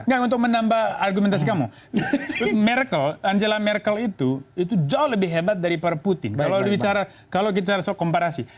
enggak untuk menambah argumentasi kamu merkel angela merkel itu jauh lebih hebat dari para putin kalau bicara soal komparasi